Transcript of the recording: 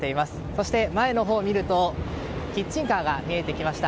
そして、前のほうを見るとキッチンカーが見えてきました。